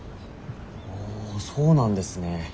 あそうなんですね。